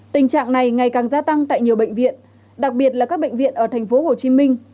tình trạng này ngày càng gia tăng tại nhiều bệnh viện đặc biệt là các bệnh viện ở tp hcm